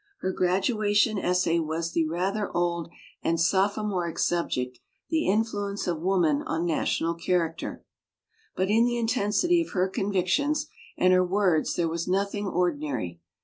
Her gradua tion essay was on the rather old and sopho moric subject, "The Influence of Woman on National Character;" but in the intensity of her convictions and her words there was nothing ordinary.